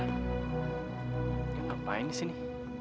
kau kembali sini